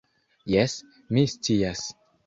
Jes, mi scias.